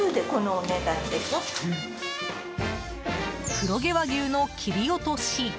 黒毛和牛の切り落とし。